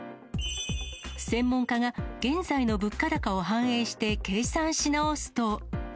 専門家が現在の物価高を反映して、計算し直すと。